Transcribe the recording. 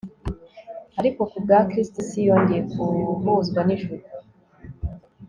Ariko kubga Kristo isi yongeye guhuzwa nijuru